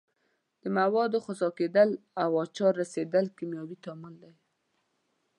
د موادو خسا کیدل او د آچار رسیدل کیمیاوي تعامل دي.